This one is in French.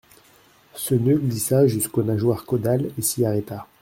Ce nœud glissa jusqu'aux nageoires caudales et s'y arrêta.